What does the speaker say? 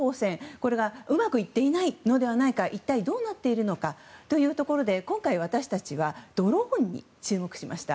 これがうまくいっていないのではないか一体どうなっているのかというところで今回、私たちはドローンに注目しました。